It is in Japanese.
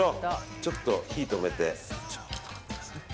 ちょっと火を止めて。